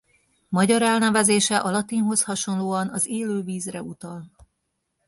Magyar elnevezése a latinhoz hasonlóan az élő vízre utal.